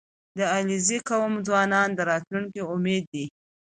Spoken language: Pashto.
• د علیزي قوم ځوانان د راتلونکي امید دي.